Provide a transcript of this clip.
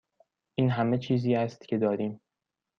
این همه چیزی است که داریم.